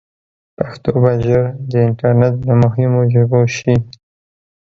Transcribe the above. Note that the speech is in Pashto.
پښتو به ژر د انټرنیټ له مهمو ژبو شي.